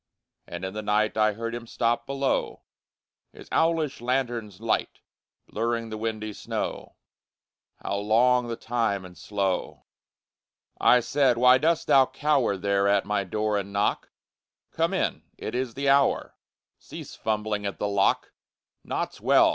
And in the night I heard him stop below, His owlish lanthorn's light Blurring the windy snow How long the time and slow! I said, _Why dost thou cower There at my door and knock? Come in! It is the hour! Cease fumbling at the lock! Naught's well!